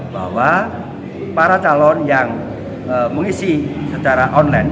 bahwa para calon yang mengisi secara online